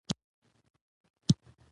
یووالی د دښمن پر وړاندې سپر دی.